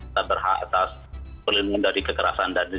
dan berhak atas pelindung dari kekerasan dan eliminasi